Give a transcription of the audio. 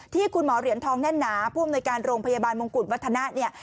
ที่คุณหมอเหรียญทองแน่นหนาผู้อำนวยการโรงพยาบาลมงกุฎวัฒนะเนี่ย